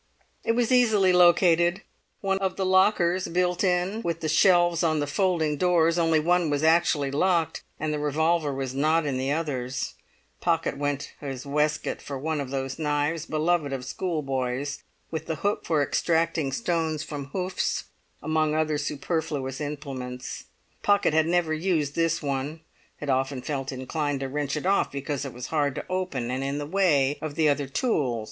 It was easily located; of the lockers, built in with the shelves on the folding doors, only one was actually locked, and the revolver was not in the others. Pocket went to his waistcoat for one of those knives beloved of schoolboys, with the hook for extracting stones from hoofs, among other superfluous implements. Pocket had never used this one, had often felt inclined to wrench it off because it was hard to open and in the way of the other tools.